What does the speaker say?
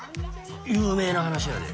有名な話やで。